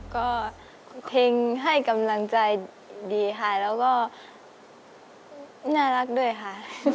ก็เพลงให้กำลังใจดีค่ะแล้วก็น่ารักด้วยค่ะ